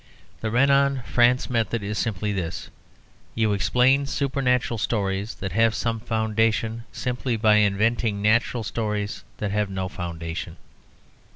The Renan France method is simply this: you explain supernatural stories that have some foundation simply by inventing natural stories that have no foundation.